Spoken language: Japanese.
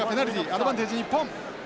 アドバンテージ日本！